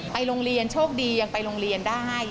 โรงเรียนโชคดียังไปโรงเรียนได้